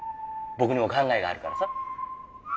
僕にも考えがあるからさ。